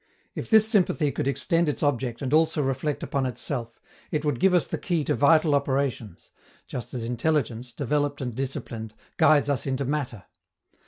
If this sympathy could extend its object and also reflect upon itself, it would give us the key to vital operations just as intelligence, developed and disciplined, guides us into matter.